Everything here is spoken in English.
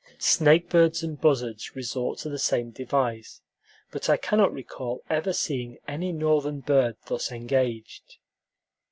Snakebirds and buzzards resort to the same device, but I cannot recall ever seeing any Northern bird thus engaged.